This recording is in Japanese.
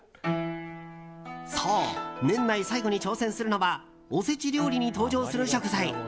そう、年内最後に挑戦するのはおせち料理に登場する食材。